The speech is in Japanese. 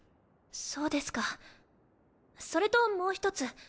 そうですかそれともう一つ。